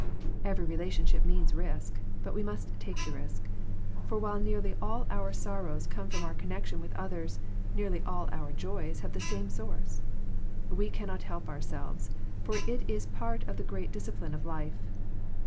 Every relationship means risk, but we must take the risk; for while neariy all our sorrows come from our connection with others, nearly all our joys have the same source. We cannot help ourselves; for it is part of the great discipline of life.